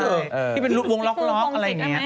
ที่เป็นวงล็อกอะไรอย่างนี้